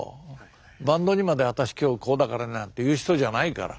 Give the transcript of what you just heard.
バンドにまで「私今日こうだからね」なんて言う人じゃないから。